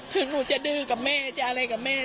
ถึงหนูจะดื้อกับแม่จะอะไรกับแม่